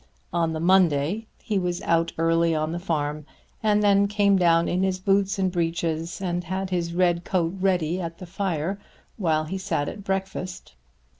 On the Monday he was out early on the farm and then came down in his boots and breeches, and had his red coat ready at the fire while he sat at breakfast.